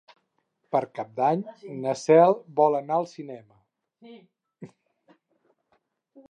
Per Cap d'Any na Cel vol anar al cinema.